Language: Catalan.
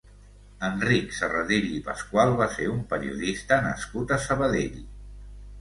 Enric Sarradell i Pascual va ser un periodista nascut a Sabadell.